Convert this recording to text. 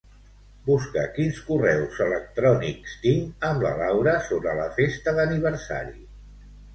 Busca quins correus electrònics tinc amb la Laura sobre la festa d'aniversari.